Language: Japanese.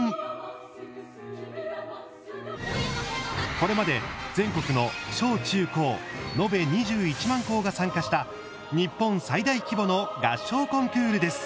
これまで全国の小中高延べ２１万校が参加した日本最大規模の合唱コンクールです。